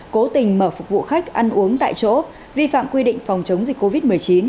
cố tình mở phục vụ khách ăn uống tại chỗ vi phạm quy định phòng chống dịch covid một mươi chín